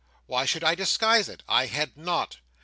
Why should I disguise it? I had not.